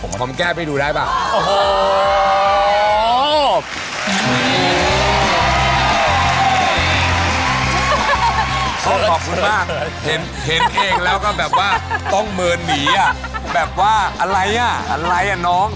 ขอบคุณมากเห็นเองแล้วก็แบบว่าต้องเมินหนีอ่ะแบบว่าอะไรอ่ะอะไรอ่ะน้อง